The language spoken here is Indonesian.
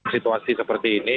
situasi seperti ini